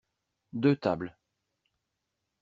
Deux tables.